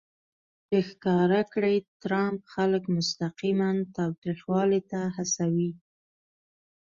چې ښکاره کړي ټرمپ خلک مستقیماً تاوتریخوالي ته هڅوي